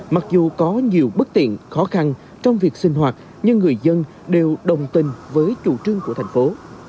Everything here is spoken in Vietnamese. mặc dù có nhiều bất tiện khó khăn trong việc sinh hoạt nhưng người dân đều đồng tình với chủ trương của thành phố